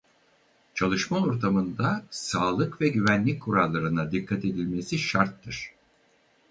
Çalışma ortamında sağlık ve güvenlik kurallarına dikkat edilmesi şarttır.